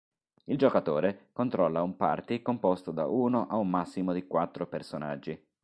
Il giocatore controlla un party composto da uno a un massimo di quattro personaggi.